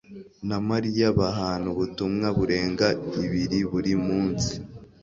na Mariya bahana ubutumwa burenga ibiri buri munsi